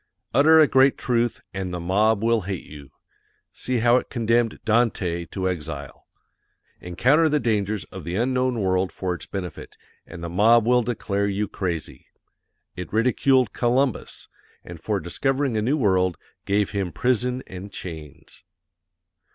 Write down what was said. Utter a great truth AND THE MOB WILL HATE YOU. See how it condemned DANTE to EXILE. Encounter the dangers of the unknown world for its benefit, AND THE MOB WILL DECLARE YOU CRAZY. It ridiculed COLUMBUS, and for discovering a new world GAVE HIM PRISON AND CHAINS.